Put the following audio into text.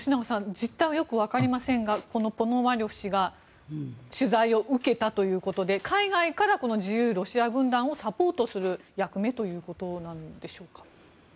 実態はよくわかりませんがこのポノマリョフ氏が取材を受けたということで海外からこの自由ロシア軍団をサポートする役目ということなんでしょうか。